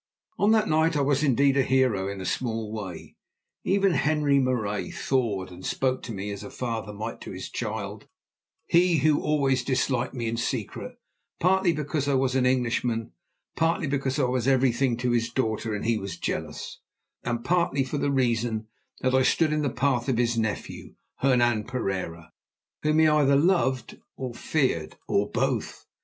On that night I was indeed a hero in a small way. Even Henri Marais thawed and spoke to me as a father might to his child, he who always disliked me in secret, partly because I was an Englishman, partly because I was everything to his daughter and he was jealous, and partly for the reason that I stood in the path of his nephew, Hernan Pereira, whom he either loved or feared, or both.